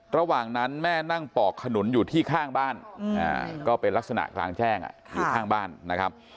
ระหว่างนั้นแม่นั่งปอกขนุนอยู่ที่ข้างบ้านก็เป็นลักษณะกลางแจ้งอยู่ข้างบ้านนะครับ